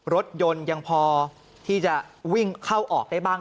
รถยนต์ยังพอที่จะวิ่งเข้าออกได้บ้าง